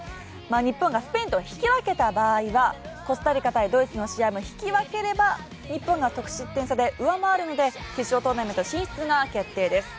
日本がスペインと引き分けた場合はコスタリカ対ドイツの試合も引き分ければ日本が得失点差で上回るので決勝トーナメント進出が決定です。